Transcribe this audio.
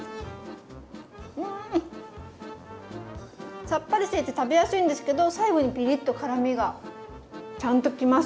うん！さっぱりしていて食べやすいんですけど最後にピリッと辛みがちゃんときますね。